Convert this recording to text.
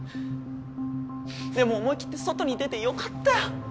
でも思いきって外に出てよかったよ。